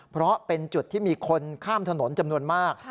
เพราะเป็นจุดที่มีคนข้ามถนนจำนวนมาก